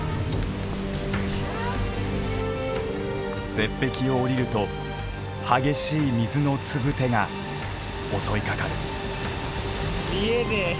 絶壁をおりると激しい水のつぶてが襲いかかる。